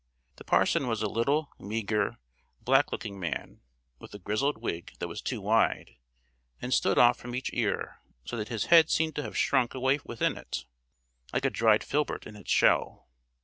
The parson was a little, meagre, black looking man, with a grizzled wig that was too wide, and stood off from each ear; so that his head seemed to have shrunk away within it, like a dried filbert in its shell.